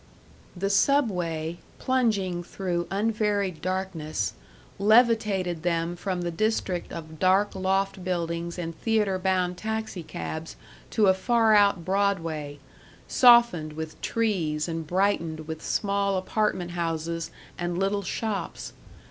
The Subway, plunging through unvaried darkness, levitated them from the district of dark loft buildings and theater bound taxicabs to a far out Broadway, softened with trees and brightened with small apartment houses and little shops.